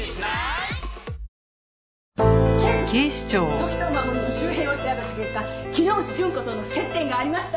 時任守の周辺を調べた結果木之内順子との接点がありました。